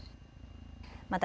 また。